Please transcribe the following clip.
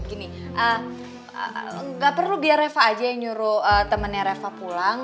gini nggak perlu biar reva aja yang nyuruh temennya reva pulang